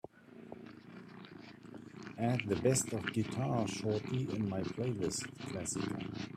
add the best of guitar shorty in my playlist clásica